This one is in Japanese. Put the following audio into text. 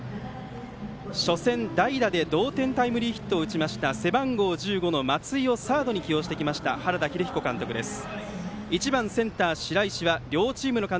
初戦、代打で同点タイムリーヒットを打った背番号１５の松井をサードに起用してきた原田英彦監督です。